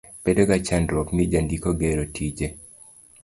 Bedoga chandruok ni jandiko gero tije.